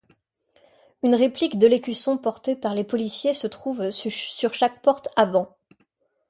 Une réplique de l’écusson porté par les policiers se trouve sur chaque porte avant.